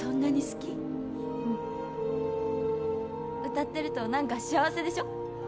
「歌ってると何か幸せでしょ？」